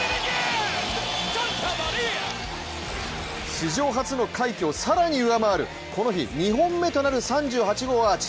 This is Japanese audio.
史上初の快挙を更に上回る、この日、２本目となる３８号アーチ。